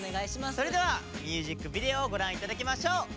それではミュージックビデオをご覧頂きましょう。